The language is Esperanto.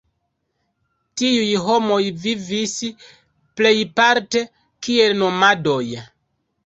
Tiuj homoj vivis plejparte kiel nomadoj.